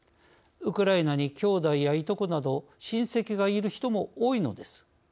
ウクライナにきょうだいや、いとこなど親戚がいる人も多いのです。